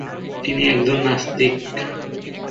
তিনি একজন নাস্তিক।